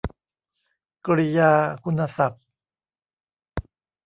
กริยาคุณศัพท์